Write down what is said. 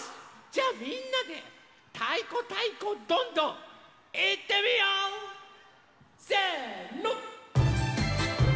じゃあみんなで「たいこたいこどんどん！」いってみよう！せの！